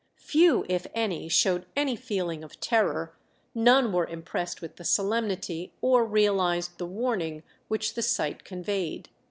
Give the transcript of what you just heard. Few, if any, showed any feeling of terror, none were impressed with the solemnity, or realized the warning which the sight conveyed.